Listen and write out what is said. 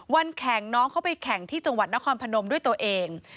วันแข่งน้องเขาไปแข่งที่จังหวัดนครพนมด้วยตัวเอง